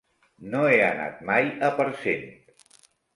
No he anat mai a Parcent.